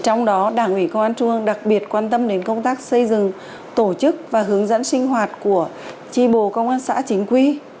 trong đó đảng ủy công an trung ương đặc biệt quan tâm đến công tác xây dựng tổ chức và hướng dẫn sinh hoạt của tri bộ công an xã chính quy